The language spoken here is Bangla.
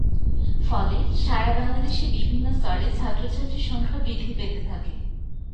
ফলে সারা বাংলাদেশে বিভিন্ন স্তরে ছাত্র-ছাত্রীর সংখ্যা বৃদ্ধি পেতে থাকে।